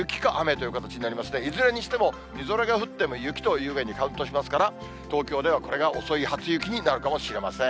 いずれにしても、みぞれが降っても雪という具合にカウントしますから、東京ではこれが遅い初雪になるかもしれません。